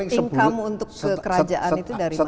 income untuk kekerajaan itu dari mana